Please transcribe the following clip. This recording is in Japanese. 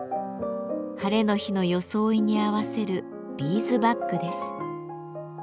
ハレの日の装いに合わせるビーズバッグです。